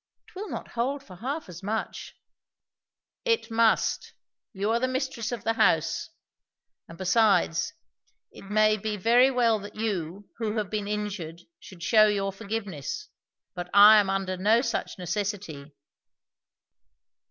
"It will not hold for half as much." "It must. You are the mistress of the house. And besides, it may be very well that you, who have been injured, should shew your forgiveness; but I am under no such necessity."